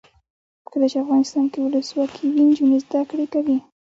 کله چې افغانستان کې ولسواکي وي نجونې زده کړې کوي.